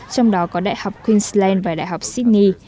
trong đó có đại học queensland và đại học sydney